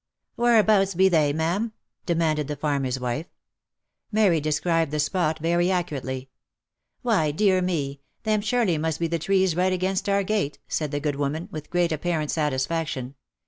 " Whereabouts be they, ma'am ?" demanded the farmer's wife. Mary described the spot very accurately. " Why, dear me ! them surely must be the trees right against our gate," said the good woman, ■with great apparent satisfaction.